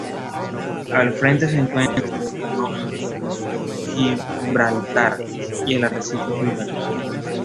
Al frente se encuentra la roca Gibraltar y el arrecife Gibraltar.